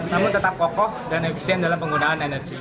namun tetap kokoh dan efisien dalam penggunaan energi